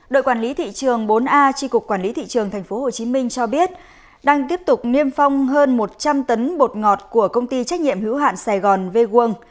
đội quản lý thị trường bốn a tri cục quản lý thị trường tp hcm cho biết đang tiếp tục niêm phong hơn một trăm linh tấn bột ngọt của công ty trách nhiệm hữu hạn sài gòn ve worl